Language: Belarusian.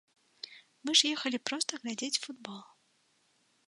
Мы ж ехалі проста глядзець футбол.